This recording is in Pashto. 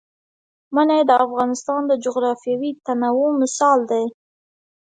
منی د افغانستان د جغرافیوي تنوع مثال دی.